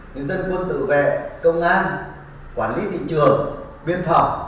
như dân quân tự vệ công an quản lý thị trường biên phòng